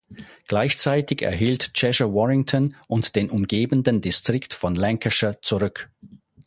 Gleichzeitig erhielt Cheshire Warrington und den umgebenden Distrikt von Lancashire zurück.